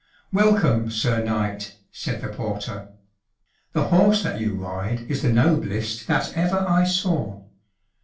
"Welcome, Sir Knight," said the porter. "The horse that you ride is the noblest that ever I saw.